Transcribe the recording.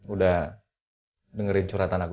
udah dengerin curatan aku